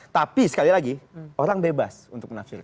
tapi sekali lagi orang bebas untuk menafsirkan